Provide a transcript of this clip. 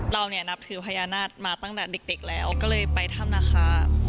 เราเนี่ยนับถือพญานาคมาตั้งแต่เด็กแล้วก็เลยไปถ้ำนาคา